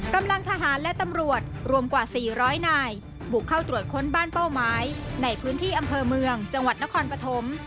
กำลังทหารและตำรวจรวมกว่า๔๐๐นายบุกเข้าตรวจค้นบ้านเป้าหมายในพื้นที่อำเภอเมืองจังหวัดนครปฐม